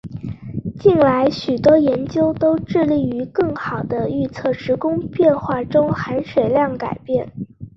近来许多研究都致力于更好地预测时空变化中的含水量改变。